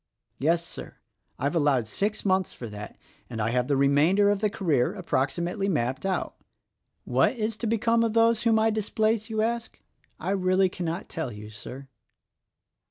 Yes, Sir, I've allowed six months for that; and I have the remainder of the career approximately mapped out. What is to become of those whom I displace, you ask? I really cannot tell you, Sir."